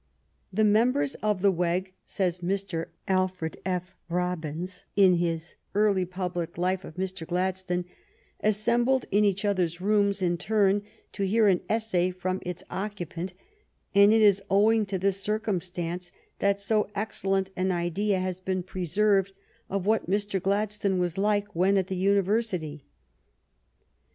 " The members of the Weg," says Mr. Alfred F. Robbins in his " Early Public Life of Mr. Gladstone," " assembled in each other's rooms ^C^ i in turn to hear an essay from .j^^Sfl^. it^ occupant, and it is owing to this circumstance that so excel FHEDERicK r.f Ni^i.N Icut an idea has been preserved ,„''., of what Mr. Gladstone was like Em„.taFn ) ^hg^ ^t the University."